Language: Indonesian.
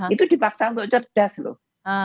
itu dipaksa untuk cerdas loh